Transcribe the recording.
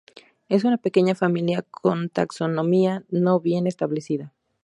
Es una pequeña familia con taxonomía no bien establecida.